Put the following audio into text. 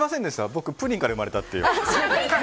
僕、プリンから生まれたっていう。